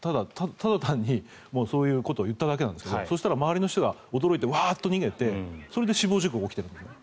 ただ単にそういうことを言っただけなんですが周りの人が驚いてワーッと逃げてそれで死亡事故が起きている。